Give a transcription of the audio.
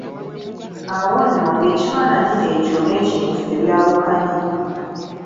Awo nno ng'ekifaananyi ekyo n'ekintu tebyawukanye.